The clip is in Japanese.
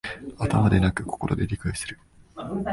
頭ではなく心で理解する